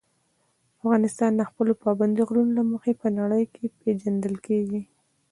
افغانستان د خپلو پابندي غرونو له مخې په نړۍ پېژندل کېږي.